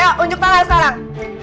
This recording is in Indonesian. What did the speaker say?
yuk unjuk tangan sekarang